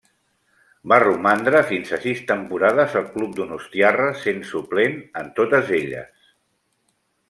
Va romandre fins a sis temporades al club donostiarra, sent suplent en totes elles.